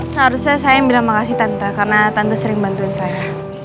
seharusnya saya bilang makasih tenta karena tante sering bantuin saya